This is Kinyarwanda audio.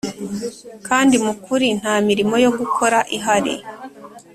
kandi mukuri nta mirimo yo gukora ihari.